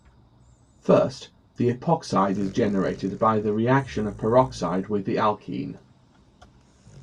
First, the epoxide is generated by the reaction of peroxide with the alkene.